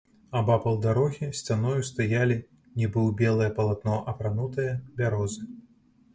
Абапал дарогі сцяною стаялі, нібы ў белае палатно апранутыя, бярозы.